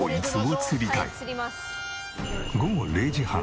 午後０時半。